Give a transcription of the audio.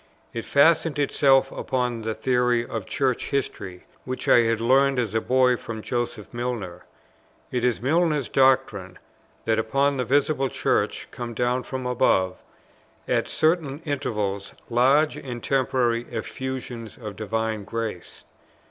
It fastened itself upon the theory of Church History which I had learned as a boy from Joseph Milner. It is Milner's doctrine, that upon the visible Church come down from above, at certain intervals, large and temporary Effusions of divine grace.